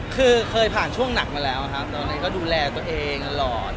คือเคยผ่านช่วงหนักมาแล้วตอนนี้ก็ดูแลตัวเองอร่อย